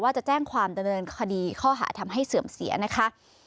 จะแจ้งความดำเนินคดีข้อหาทำให้เสื่อมเสียนะคะ